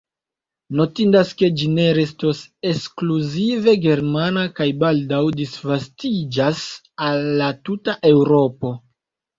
Notindas ke ĝi ne restos ekskluzive germana kaj baldaŭ disvastiĝas al la tuta Eŭropo.